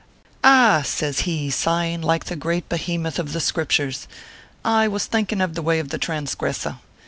"Ah !" says he, sighing like the great behemoth of the Scriptures, " I was thinking of the way of the transgressor.